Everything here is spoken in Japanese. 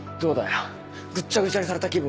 ぐっちゃぐちゃにされた気分はよ